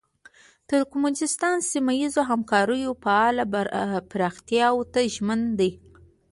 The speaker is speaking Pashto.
ترکمنستان د سیمه ییزو همکاریو فعاله پراختیاوو ته ژمن دی.